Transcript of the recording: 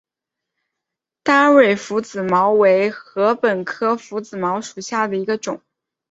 单蕊拂子茅为禾本科拂子茅属下的一个种。